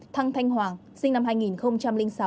thăng thanh hoàng sinh năm hai nghìn sáu